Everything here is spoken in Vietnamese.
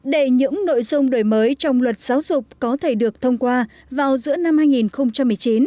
để những nội dung đổi mới trong luật giáo dục có thể được thông qua vào giữa năm hai nghìn một mươi chín